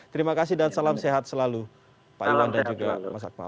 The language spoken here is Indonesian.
terima kasih dan salam sehat selalu pak iwan dan juga mas akmal